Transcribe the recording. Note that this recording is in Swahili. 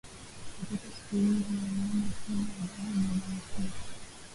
Watoto siku izi awana tena adabu mbele ya wakubwa